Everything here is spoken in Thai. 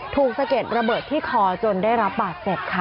สะเก็ดระเบิดที่คอจนได้รับบาดเจ็บค่ะ